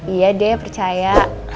iya deh percaya